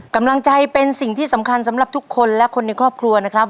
กำลังใจเป็นสิ่งที่สำคัญสำหรับทุกคนและคนในครอบครัวนะครับ